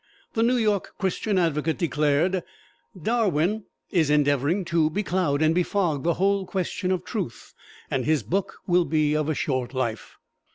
The New York "Christian Advocate" declared, "Darwin is endeavoring to becloud and befog the whole question of truth, and his book will be of short life."